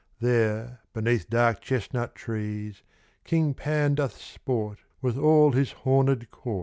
There Beneath dark chestnut trees, King Pan doth sport With all his horned court.